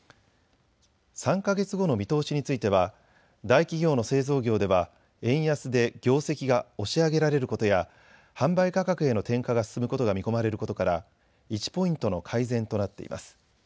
３か月後の見通しについては大企業の製造業では円安で業績が押し上げられることや販売価格への転嫁が進むことが見込まれることから１ポイントの改善となっています。